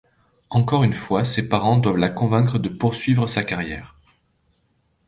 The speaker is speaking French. Encore une fois, ses parents doivent la convaincre de poursuivre sa carrière.